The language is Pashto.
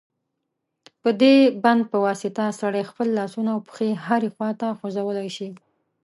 په دې بند په واسطه سړی خپل لاسونه او پښې هرې خواته خوځولای شي.